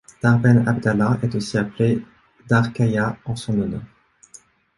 Dar Ben Abdallah est aussi appelé Dar Kahia en son honneur.